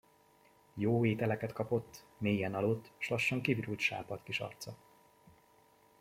Jó ételeket kapott, mélyen aludt, s lassan kivirult sápadt kis arca.